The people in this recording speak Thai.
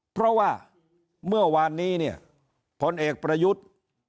เพราะว่าเมื่อวานนี้เนี่ยพลเอกประยุทธ์